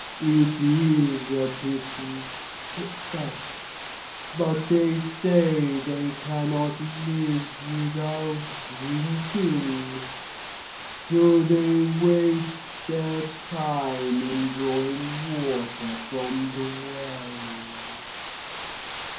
'It is a pity,' it said; 'but they say they cannot live without drinking, so they waste their time in drawing water from the wells.'